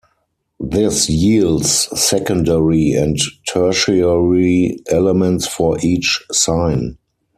This yields secondary and tertiary elements for each sign.